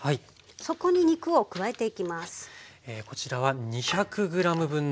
そこに肉を加えていきます。